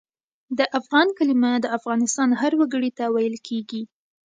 د افغان کلمه د افغانستان هر وګړي ته ویل کېږي.